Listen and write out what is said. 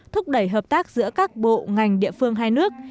thúc đẩy hợp tác giữa các bộ ngành địa phương hai nước